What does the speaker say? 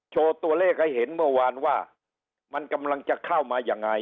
โชว์ตัวเลขให้เห็นเมื่อวานว่ามันกำลังจะเข้ามายังไง